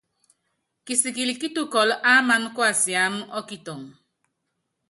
Kisikili kítukɔlɔ́ ámaná kuasiámá ɔ́kitɔŋɔ.